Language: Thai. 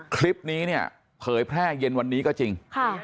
คลิปนี้เนี่ยเผยแพร่เย็นวันนี้ก็จริง